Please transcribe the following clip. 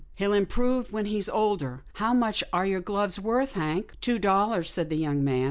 " He'll improve when he's older. How much are your gloves worth. Hank? "" Two dollars," said the young man.